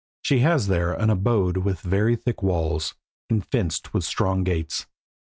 She has there an abode with very thick walls, and fenced with strong gates.